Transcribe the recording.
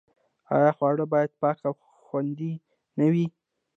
آیا خواړه باید پاک او خوندي نه وي؟